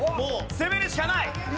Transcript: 攻めるしかない！